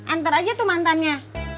antar aja tuh mantannya